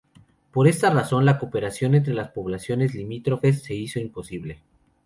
Por esta razón, la cooperación entre las poblaciones limítrofes se hizo imposible.